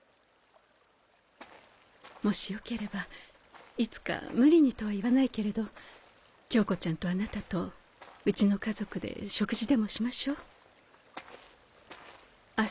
もしよければいつか無理にとは言わないけれど恭子ちゃんとあなたとうちの家族で食事でもしましょうあっ